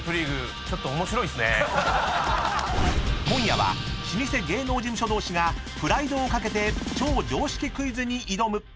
［今夜は老舗芸能事務所同士がプライドを懸けて超常識クイズに挑む！］